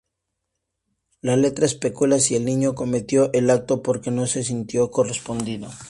La letra especula si el niño cometió el acto porque no se sintió correspondido.